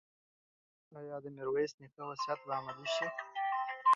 ایا د میرویس نیکه وصیت به عملي شي؟